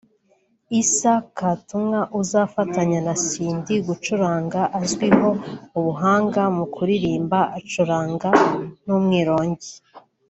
Isaiah Katumwa uzafatanya na Cindy gucuranga azwiho ubuhanga mu kuririmba acuranga n’umwirongi